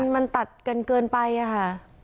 มันตัดเกินไปค่ะ